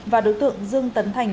và đối tượng dương tấn thành